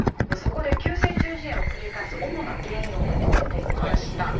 そこで急性中耳炎を繰り返す主な原因をまとめてみました。